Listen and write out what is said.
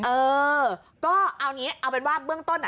เออก็เอางี้เอาเป็นว่าเบื้องต้น